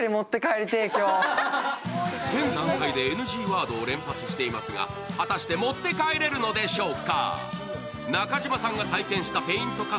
現段階でＮＧワードを連発していますが果たして持って帰れるのでしょうか。